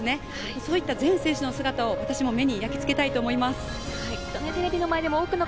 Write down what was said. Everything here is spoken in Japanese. そういう選手の姿を私も目に焼き付けたいと思います。